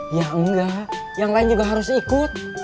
ya enggak yang lain juga harus ikut